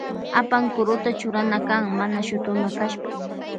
Apankuruta churana kan mana shutuna kashpa.